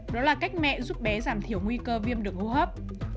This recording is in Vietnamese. đó là cách mẹ giúp bé giảm thiểu nguy cơ viêm đường hô hấp